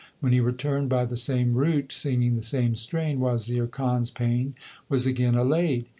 When he returned by the same route singing the same strain, Wazir Khan s pain was again allayed.